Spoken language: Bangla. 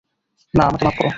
না, আমাকে মাপ করো।